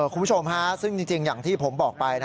คุณผู้ชมซึ่งจริงอย่างที่ผมบอกไป